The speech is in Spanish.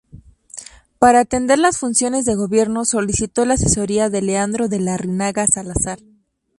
Para atender las funciones de gobierno solicitó la asesoría de Leandro de Larrinaga Salazar.